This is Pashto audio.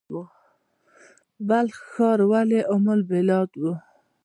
بلخ ښار ولې ام البلاد و؟